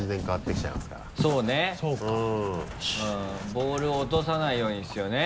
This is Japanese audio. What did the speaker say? ボールを落とさないようにですよね。